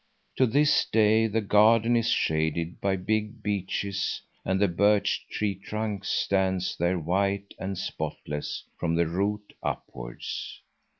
To this day the garden is shaded by big beeches and the birch tree trunks stand there white and spotless from the root upwards.